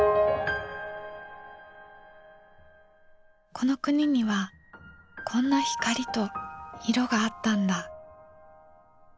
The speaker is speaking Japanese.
この国にはこんな光と色があったんだ。